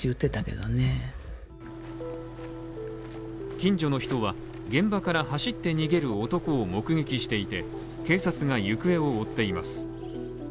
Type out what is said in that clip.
近所の人は現場から走って逃げる男を目撃していて、警察が行方を追っています。